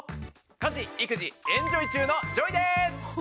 家事育児エンジョイ中のＪＯＹです！